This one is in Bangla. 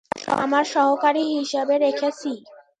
আমার সহকারী হিসেবে রেখেছি।